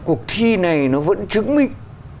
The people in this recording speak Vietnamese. cuộc thi này nó vẫn chứng minh